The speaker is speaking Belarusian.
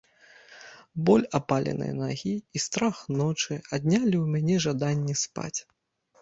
Боль апаленай нагі і страх ночы аднялі ў мяне жаданне спаць.